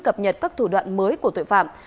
cập nhật các thủ đoạn mới của tội phạm